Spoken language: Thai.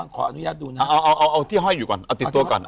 ขออนุญาตดูนะเอาเอาที่ห้อยอยู่ก่อนเอาติดตัวก่อน